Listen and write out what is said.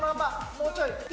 もうちょい。